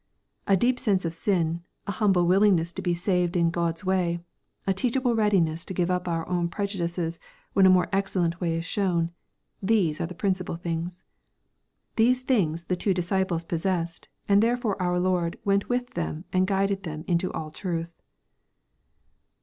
A deep sense of sin, a humble willingness to be saved in God's way, a teachable readiness to give up our own prejudices when a more excellent way is shown, these are the principdl things. These things the two disciples possessed, and therefore our Lord " went with them" and guided thetn into all truth.